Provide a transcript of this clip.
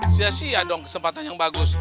sia sia dong kesempatan yang bagus